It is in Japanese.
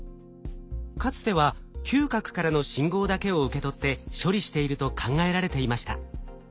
かつては嗅覚からの信号だけを受け取って処理していると考えられていました。